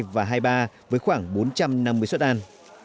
hai mươi hai và hai mươi ba với khoảng bốn trăm năm mươi xuất ăn